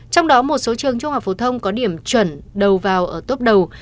trong đó một số trường trung học phổ thông có điểm chuẩn đầu vào ở tốp đầu